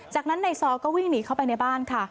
จากนั้นนายซอก็วิ่งหนีเข้าไปในบ้านค่ะ